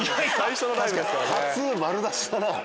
初丸出しだな。